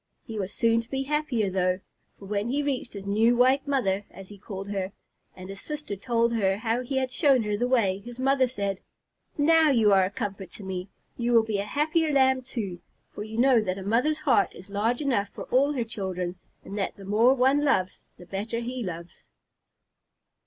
He was soon to be happier, though, for when they reached his "new, white mother," as he called her, and his sister told her how he had shown her the way, his mother said, "Now you are a comfort to me. You will be a happier Lamb, too, for you know that a mother's heart is large enough for all her children, and that the more one loves, the better he loves."